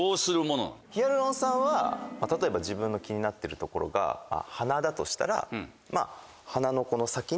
ヒアルロン酸は例えば自分の気になってる所が鼻だとしたら。